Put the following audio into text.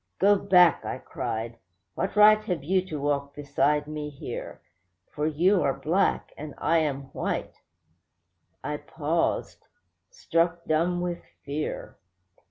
'Go back!' I cried. 'What right have you to walk beside me here? For you are black, and I am white.' I paused, struck dumb with fear.